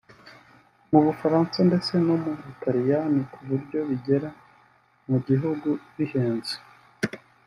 mu Bufaransa ndetse no mu Butaliyani kuburyo bigera mu gihugu bihenze